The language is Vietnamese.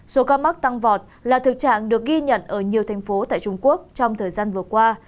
số ca mắc tăng vọt là thực trạng được ghi nhận ở nhiều thành phố tại trung quốc trong thời gian vừa qua